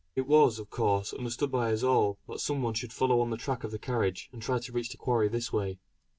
It was, of course understood by us all that some one should follow on the track of the carriage, and try to reach the quarry this way.